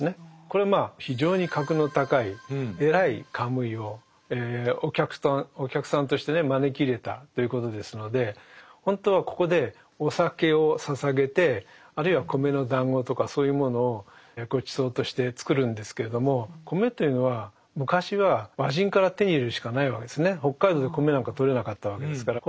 これはまあ非常に格の高い偉いカムイをお客さんとしてね招き入れたということですので本当はここでお酒を捧げてあるいは米のだんごとかそういうものをごちそうとして作るんですけれども米というのは昔は北海道で米なんかとれなかったわけですから。